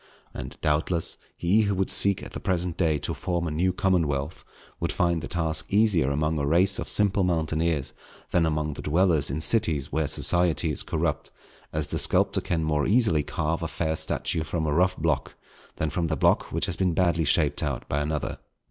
And, doubtless, he who should seek at the present day to form a new commonwealth, would find the task easier among a race of simple mountaineers, than among the dwellers in cities where society is corrupt; as the sculptor can more easily carve a fair statue from a rough block, than from the block which has been badly shaped out by another.